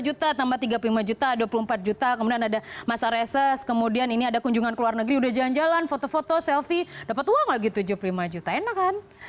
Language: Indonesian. dua puluh juta tambah tiga puluh lima juta dua puluh empat juta kemudian ada masa reses kemudian ini ada kunjungan ke luar negeri udah jalan jalan foto foto selfie dapat uang lagi tujuh puluh lima juta enak kan